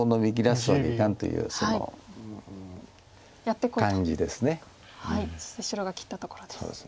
そして白が切ったところです。